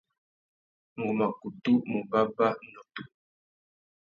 Ngu mà kutu mù bàbà nutu.